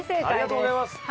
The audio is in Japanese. ありがとうございます。